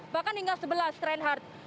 sepuluh bahkan hingga sebelas train hard